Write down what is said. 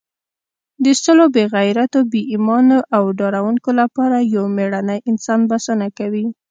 د سلو بې غیرتو، بې ایمانو او ډارنو لپاره یو مېړنی انسان بسنه کوي.